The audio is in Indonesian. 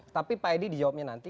tapi pak edi dijawabnya nanti